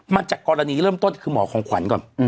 มันจากกรณีเริ่มต้นคือหมอของขวัญก่อน